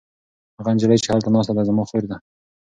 هغه نجلۍ چې هلته ناسته ده زما خور ده.